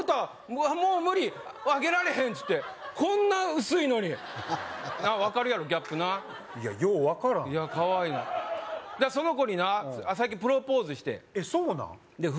「うわもう無理上げられへん」っつってこんな薄いのになっ分かるやろギャップないやよう分からんいやかわいいなその子にな最近プロポーズしてんそうなん？